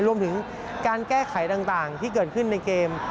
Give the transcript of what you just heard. รวมถึงการแก้ไขต่างที่เกิดขึ้นในเกม